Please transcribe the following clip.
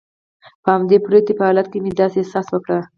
په همدې پروتې په حالت کې مې داسې احساس وکړل.